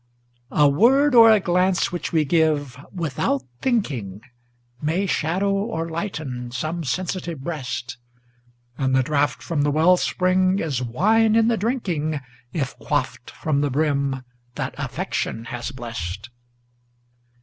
A word or a glance which we give "without thinking", May shadow or lighten some sensitive breast; And the draught from the well spring is wine in the drinking, If quaffed from the brim that Affection has blest.